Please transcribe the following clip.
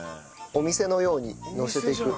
お店のようにのせていく。